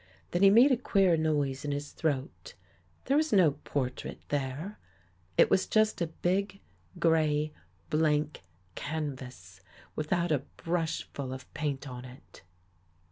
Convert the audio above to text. Then he made a queer noise in his throat. There was no portrait there. It was just a big, gray, blank canvas, without a brushful of paint on it.